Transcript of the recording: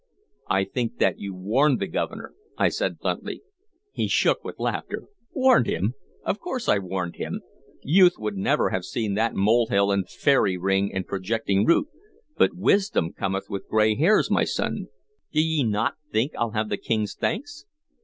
"I think that you warned the Governor," I said bluntly. He shook with laughter. "Warned him? Of course I warned him. Youth would never have seen that molehill and fairy ring and projecting root, but wisdom cometh with gray hairs, my son. D' ye not think I'll have the King's thanks?"